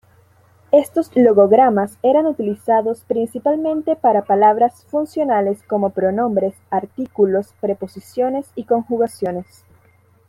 Estos logogramas eran utilizados principalmente para palabras funcionales como pronombres, artículos, preposiciones, y conjunciones.